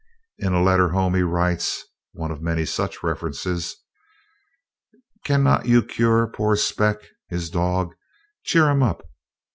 In a letter home he writes (one of many such references), "Cannot you cure poor Spec? (his dog). Cheer him up!